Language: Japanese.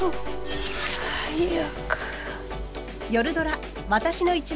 最悪。